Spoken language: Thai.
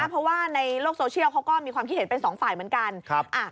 เพราะว่าในโลกโซเชียลเขาก็มีความคิดเห็นเป็นสองฝ่ายเหมือนกัน